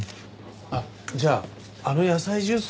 あっじゃああの野菜ジュース